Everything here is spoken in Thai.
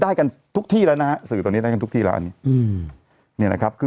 ได้กันทุกที่แล้วนะฮะสื่อตอนนี้ได้กันทุกที่แล้วอันนี้อืมเนี่ยนะครับคือ